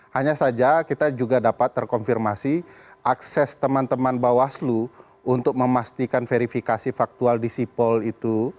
hanya saja kita juga dapat terkonfirmasi akses teman teman bawaslu untuk memastikan verifikasi faktual di sipol itu